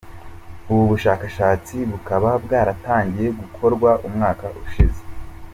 Ubu bushakashatsi bukaba bwaratangiye gukorwa umwaka ushize.